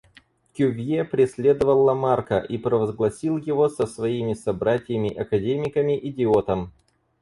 Кювье преследовал Ламарка и провозгласил его со своими собратьями-академиками идиотом.